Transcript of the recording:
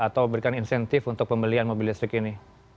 atau berikan insentif untuk pembelian mobil listrik ini